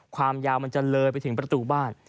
ความยาวมันจะเลยไปถึงประตูบ้าน